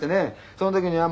その時に。